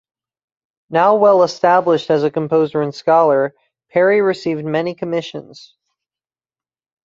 Now well established as a composer and scholar, Parry received many commissions.